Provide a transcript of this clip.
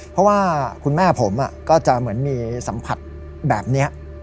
เพราะว่าคุณแม่ผมก็จะเหมือนมีสัมผัสแบบนี้